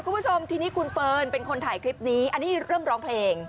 คุณผู้ชมทีนี้คุณเฟิร์นเป็นคนถ่ายคลิปนี้อันนี้เริ่มร้องเพลง